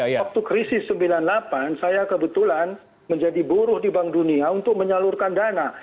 waktu krisis sembilan puluh delapan saya kebetulan menjadi buruh di bank dunia untuk menyalurkan dana